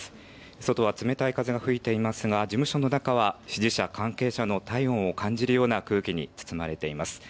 外は冷たい風が吹いていますが事務所の中は支持者、関係者の体温を感じるような空気に包まれています。